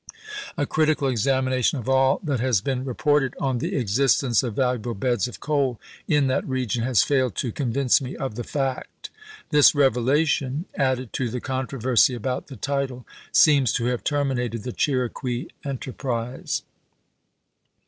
A critical exami nation of all that has been reported on the existence of valuable beds of coal in that region has failed to convince me of the fact." This revelation, added to the controversy about the title, seems to have terminated the Chiriqui enterprise.